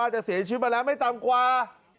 จะเสียชีวิตมาแล้วไม่ต่ำกว่า